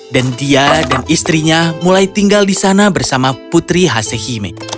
dan dia dan istrinya mulai tinggal di sana bersama putri hasehime